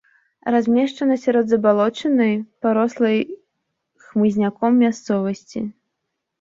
Размешчана сярод забалочанай, парослай хмызняком мясцовасці.